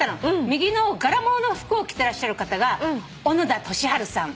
右の柄物の服を着てらっしゃる方が小野田利治さん。